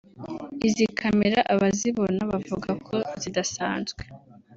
izi camera abazibona bavuga ko zidasanzwe